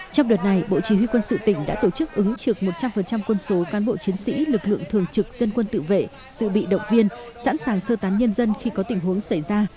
trong đợt này bộ chỉ huy quân sự tỉnh đã tổ chức ứng trực một trăm linh quân số cán bộ chiến sĩ lực lượng thường trực dân quân tự vệ sự bị động viên sẵn sàng sơ tán nhân dân khi có tình huống xảy ra